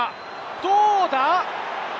どうだ？